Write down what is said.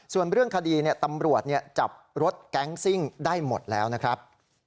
ส่วนเรื่องคดีตำรวจจับรถแก๊งซิ่งได้หมดแล้วนะครับ